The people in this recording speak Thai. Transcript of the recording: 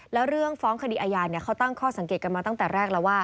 แล้วเรื่องฟ้องคดีอาญาเขาตั้งข้อสังเกตกันมาตั้งแต่แรกแล้วว่า